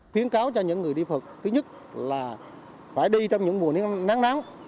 khuyến cáo cho những người đi phật thứ nhất là phải đi trong những mùa nắng nắng